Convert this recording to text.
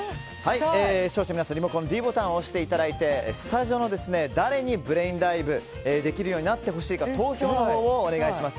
視聴者の皆さんにもｄボタンを押していただいてスタジオの誰にブレインダイブできるようになってほしいか投票のほうをお願いします。